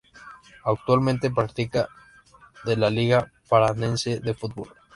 Actualmente participa de la Liga Paranaense de Fútbol.